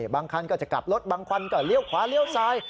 บางคันก็จะกลับรถบางคันก็เลี้ยวขวาเลี้ยวซ้าย